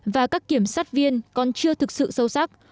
và các kiểm sát viên còn chưa thực sự sâu sắc